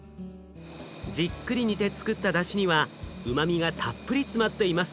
じっくり煮てつくっただしにはうまみがたっぷり詰まっています。